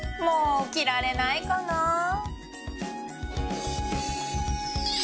もう着られないかなぁ